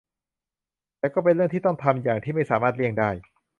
แต่ก็เป็นเรื่องที่ต้องทำอย่างที่ไม่สามารถเลี่ยงได้